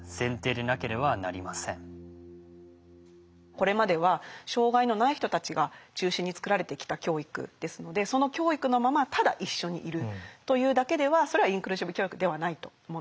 これまでは障害のない人たちが中心に作られてきた教育ですのでその教育のままただ一緒にいるというだけではそれはインクルーシブ教育ではないと思うんですね。